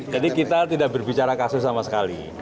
jadi kita tidak berbicara kasus sama sekali